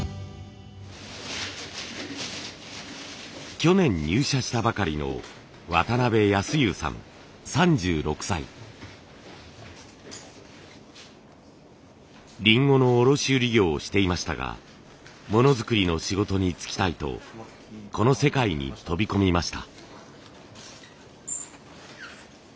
去年入社したばかりのりんごの卸売業をしていましたがモノづくりの仕事に就きたいとこの世界に飛び込みました。